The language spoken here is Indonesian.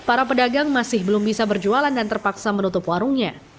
para pedagang masih belum bisa berjualan dan terpaksa menutup warungnya